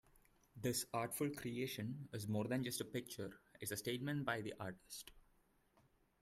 This artful creation is more than just a picture, it's a statement by the artist.